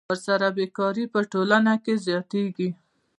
ورسره بېکاري په ټولنه کې زیاتېږي